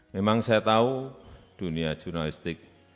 memang saya tahu dunia jurnalistik